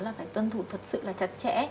là phải tuân thụ thật sự là chặt chẽ